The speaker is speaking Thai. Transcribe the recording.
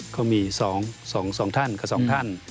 ก็มี๒ท่านกับ๒ท่าน